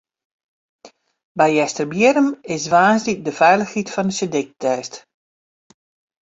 By Easterbierrum is woansdei de feilichheid fan de seedyk test.